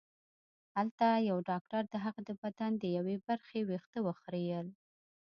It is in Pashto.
هلته یو ډاکټر د هغه د بدن د یوې برخې وېښته وخریل